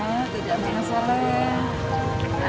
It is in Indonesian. nah tidak minat salah ya